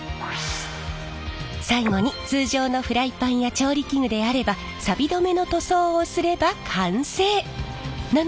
最後に通常のフライパンや調理器具であればさび止めの塗装をすれば完成！なのですが。